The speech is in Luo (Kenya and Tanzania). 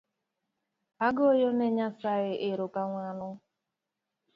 Agoyone Nyasaye erokamano